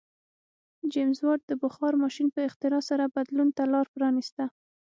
جېمز واټ د بخار ماشین په اختراع سره بدلون ته لار پرانیسته.